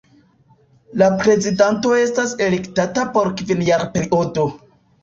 La prezidanto estas elektata por kvinjarperiodo.